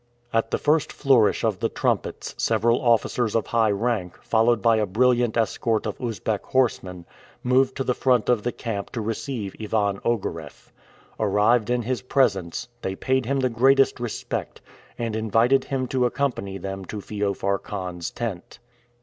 At the first flourish of the trumpets several officers of high rank, followed by a brilliant escort of Usbeck horsemen, moved to the front of the camp to receive Ivan Ogareff. Arrived in his presence, they paid him the greatest respect, and invited him to accompany them to Feofar Khan's tent.